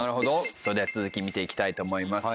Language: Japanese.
それでは続き見ていきたいと思います。